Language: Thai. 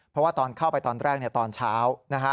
เพราะว่าตอนเข้าไปตอนแรกตอนเช้านะฮะ